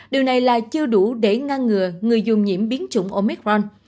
điều này là chưa đủ để ngăn ngừa người dùng nhiễm biến chủng omicron